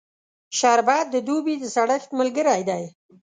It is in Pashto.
شربت د دوبی د سړښت ملګری دی